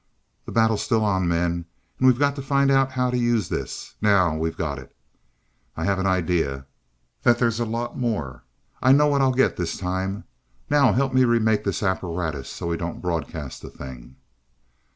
"The battle's still on, men we've still got to find out how to use this, now we've got it. I have an idea that there's a lot more. I know what I'll get this time. Now help me remake this apparatus so we don't broadcast the thing."